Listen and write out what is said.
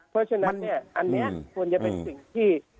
เพราะฉะนั้นเนี่ยอันนี้ควรจะเป็นสิ่งที่